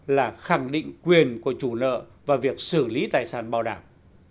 là khẳng định quyền của chủ nợ và việc xử lý tài sản bảo đảm